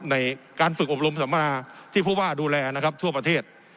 ในการฝึกอบรมสัมมนาที่ผู้ว่าดูแลนะครับทั่วประเทศ